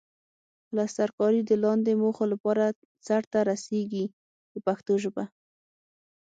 پلسترکاري د لاندې موخو لپاره سرته رسیږي په پښتو ژبه.